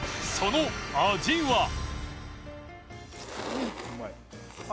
その味は？